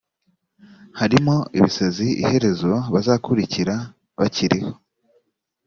harimo ibisazi iherezo bazakurikira bakiriho